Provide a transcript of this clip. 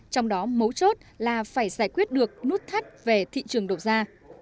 trong đó mấu chốt là phải giải quyết được nút thắt về thị trường đột gia